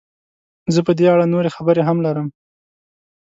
زه په دې اړه نورې خبرې هم لرم.